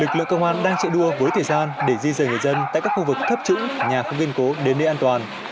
họ đang chạy đua với thời gian để di dời người dân tại các khu vực thấp trũng nhà không ghiền cố đến nơi an toàn